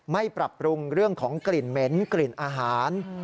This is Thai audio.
ปรับปรุงเรื่องของกลิ่นเหม็นกลิ่นอาหาร